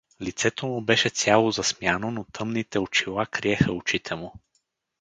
Лицето му беше цяло засмяно, но тъмните очила криеха очите му.